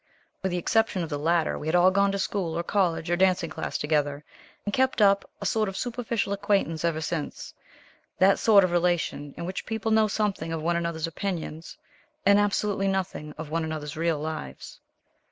With the exception of the latter, we had all gone to school or college or dancing class together, and kept up a sort of superficial acquaintance ever since that sort of relation in which people know something of one another's opinions and absolutely nothing of one another's real lives.